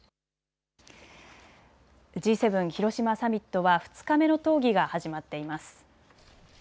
Ｇ７広島サミットは２日目の討議が始まっています。